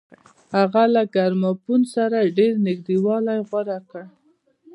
هغه له ګرامافون سره ډېر نږدېوالی غوره کړ.